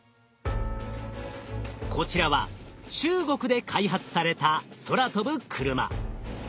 こちらは中国で開発された空飛ぶクルマ。